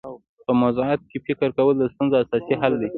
په موضوعاتو کي فکر کول د ستونزو اساسي حل دی.